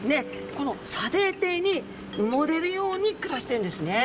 この砂泥底に埋もれるように暮らしてるんですね。